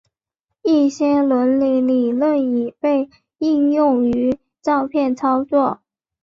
一些伦理理论已被应用于照片操作。